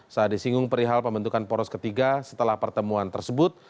saat disinggung perihal pembentukan poros ketiga setelah pertemuan tersebut